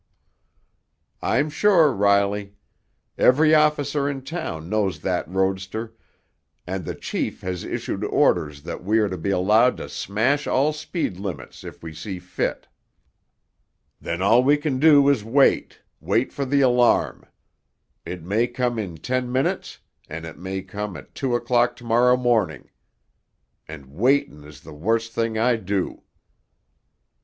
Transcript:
"I'm sure, Riley. Every officer in town knows that roadster, and the chief has issued orders that we are to be allowed to smash all speed limits if we see fit." "Then all we can do is wait—wait for the alarm. It may come in ten minutes, and it may come at two o'clock to morrow morning. And waitin' is the worst thing I do!"